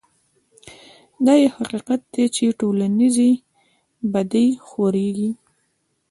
دا يو حقيقت دی چې ټولنيزې بدۍ خورېږي.